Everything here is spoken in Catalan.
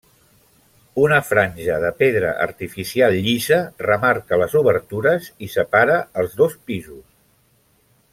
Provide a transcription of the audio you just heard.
Una franja de pedra artificial llisa remarca les obertures i separa els dos pisos.